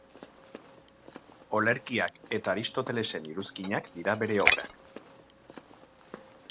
Olerkiak eta Aristotelesen iruzkinak dira bere obrak.